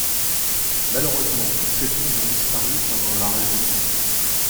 Malheureusement toutes ces tombes ont disparu pendant la Révolution.